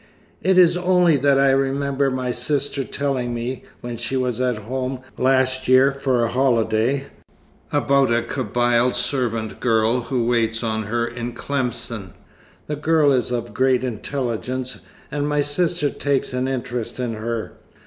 "It is only that I remember my sister telling me, when she was at home last year for a holiday, about a Kabyle servant girl who waits on her in Tlemcen. The girl is of a great intelligence, and my sister takes an interest in her.